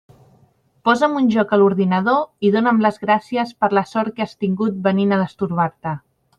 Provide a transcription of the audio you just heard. Posa'm un joc a l'ordinador i dóna'm les gràcies per la sort que has tingut venint a «destorbar-te».